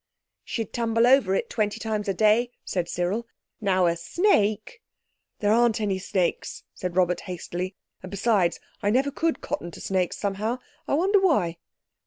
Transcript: "She'd tumble over it twenty times a day," said Cyril; "now a snake—" "There aren't any snakes," said Robert hastily, "and besides, I never could cotton to snakes somehow—I wonder why."